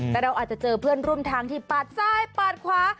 แต่เราอาจจะเจอเพื่อนร่วมทางที่ปาดซ้ายปาดขวา